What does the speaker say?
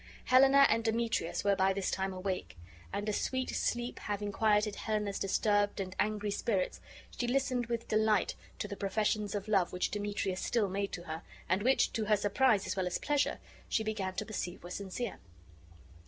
Helena and Demetrius were by this time awake; and a sweet sleep having quieted Helena's disturbed and angry spirits, she listened with delight to the professions of love which Demetrius still made to her, and which, to her surprise as well as pleasure, she began to perceive were sincere.